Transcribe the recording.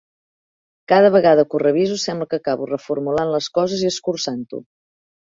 Cada vegada que ho reviso sembla que acabo reformulant les coses i escurçant-ho.